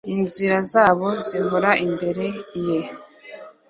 Inzira zabo zihora imbere ye,